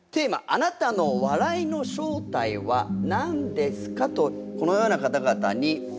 「あなたの笑いの正体は何ですか？」とこのような方々に。